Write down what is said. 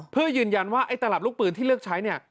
เพื่อยืนยันว่าไอ้ตลับลูกปืนที่เลือกใช้เนี่ย